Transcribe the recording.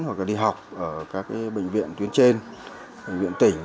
hoặc là đi học ở các bệnh viện tuyên trên bệnh viện tỉnh